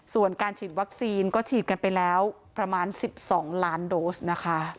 ส่วนการฉีดวัคซีนก็ฉีดกันไปแล้วประมาณ๑๒ล้านโดสนะคะ